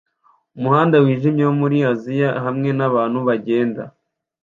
Umuhanda wijimye wo muri Aziya hamwe nabantu bagenda